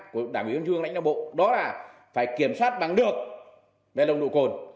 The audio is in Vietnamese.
của đảng bộ yên chương lãnh đạo bộ đó là phải kiểm soát bằng được đeo lông độ cồn